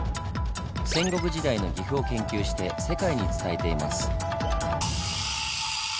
戦国時代の岐阜を研究して世界に伝えています。